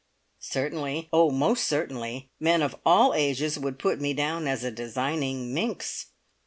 Certainly, oh, most certainly, men of all ages would put me down as a designing minx!